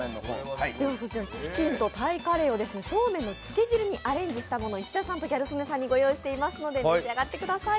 チキンとタイカレーをそうめんにアレンジしたものを石田さんとギャル曽根さんに御用意していますので召し上がってください。